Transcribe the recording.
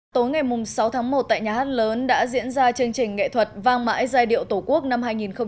tối ngày sáu tháng một tại nhà hát lớn đã diễn ra chương trình nghệ thuật vang mãi giai điệu tổ quốc năm hai nghìn hai mươi